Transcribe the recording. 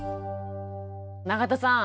永田さん